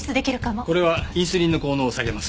これはインスリンの効能を下げます。